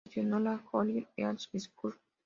Gestionó la Joliet East High School.